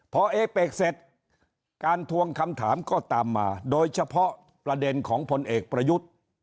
พอเอเป็กเสร็จการทวงคำถามก็ตามมาโดยเฉพาะประเด็นของพลเอกประยุทธ์